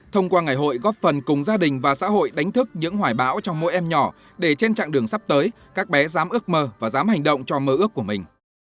thông qua ngày hội góp phần cùng gia đình và xã hội đánh thức những hoài bão trong mỗi em nhỏ để trên chặng đường sắp tới các bé dám ước mơ và dám hành động cho mơ ước của mình